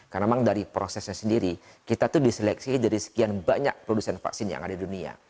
karena memang dari prosesnya sendiri kita tuh diseleksi dari sekian banyak produsen vaksin yang ada di dunia